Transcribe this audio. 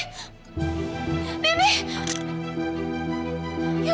ya allah nenek kok enggak gerak